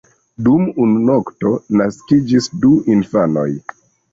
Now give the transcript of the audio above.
Dum unu nokto naskiĝis du infanoj.